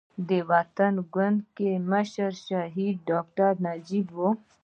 د وطن ګوند کې مشر شهيد ډاکټر نجيب الله وو.